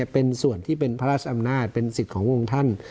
เป็นส่วนที่เป็นพระราชอำนาจเป็นสิทธิ์ขององค์ท่าน